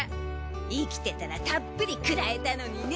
生きてたらたっぷりくらえたのにね！